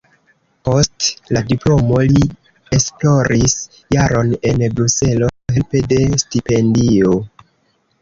Post la diplomo li esploris jaron en Bruselo helpe de stipendio.